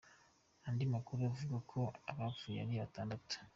Andi makuru avuga ko abapfuye ari batandatu.